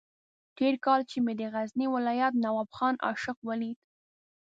تېر کال چې مې د غزني ولایت نواب خان عاشق ولید.